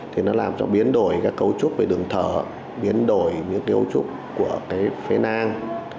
thì nó làm cho biến đổi các cấu trúc về đường thở biến đổi những tiêu trúc của phế nang